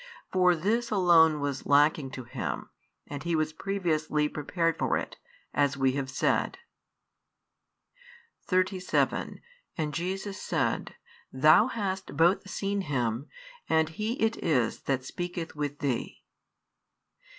For this alone was lacking to him, and he was previously prepared for it, as we have said. 37 And Jesus said, Thou hast both seen Him, and He it is that speaketh with thee.